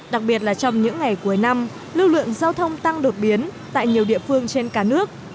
đặc biệt là trong những ngày cuối năm lưu lượng giao thông tăng đột biến tại nhiều địa phương trên cả nước